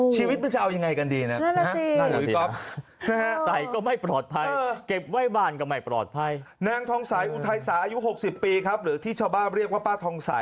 ชีวิตมันจะเอายังไงกันดีนะ